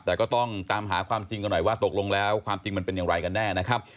แต่ก็ต้องตามหาความจริงกันหน่อยว่าตกลงแล้วความจริงมันเป็นอย่างไรกันแน่นะครับ